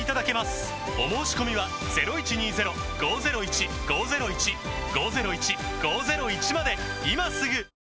お申込みは今すぐ！